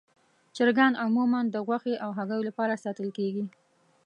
چرګان عموماً د غوښې او هګیو لپاره ساتل کېږي.